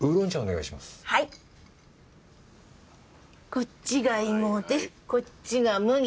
こっちが芋でこっちが麦。